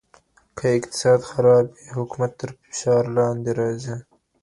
که اقتصاد خراب وي حکومت تر فشار لاندي راځي.